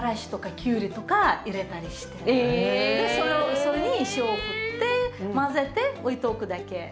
それに塩を振って混ぜて置いておくだけ。